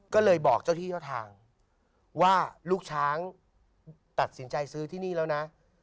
ก็เลยบอกเจ้าที่เจ้าทางว่าลูกช้างตัดสินใจซื้อที่นี่แล้วนะ